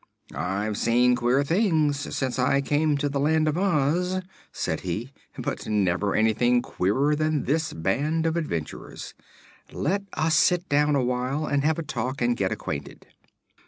"I've seen queer things since I came to the Land of Oz," said he, "but never anything queerer than this band of adventurers. Let us sit down a while, and have a talk and get acquainted."